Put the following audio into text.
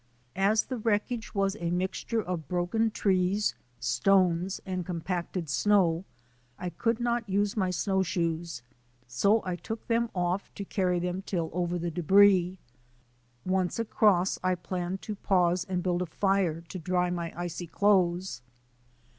As the wreckage was a mixture of broken trees, stones, and compacted snow I could not use my snowshoes, so I took them off to carry them till over the debris. Once across I planned to pause and build a fire to dry my icy clothes.